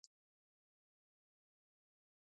شېبه وروسته يې ميرويس خان ته يوه پياله ونيوله.